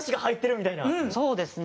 そうですね。